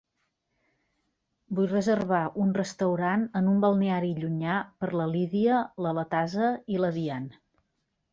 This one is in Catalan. Vull reservar un restaurant en un balneari llunyà per a la Lidia, la Latasha i la Diann.